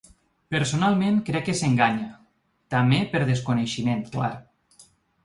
Personalment crec que s’enganya, també per desconeixement, clar.